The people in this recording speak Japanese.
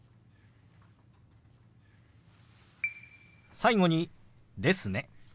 最後に「ですね」。